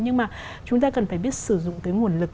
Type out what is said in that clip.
nhưng mà chúng ta cần phải biết sử dụng cái nguồn lực